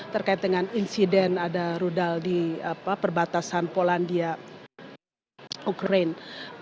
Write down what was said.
terkait dengan insiden ada rudal di perbatasan polandia ukraine